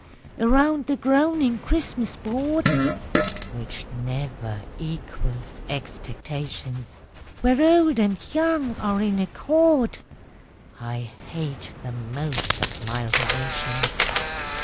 _) Around the groaning Christmas board, (Which never equals expectations,) Where old and young are in accord (_I hate the most of my relations!